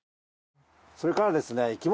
それからですね。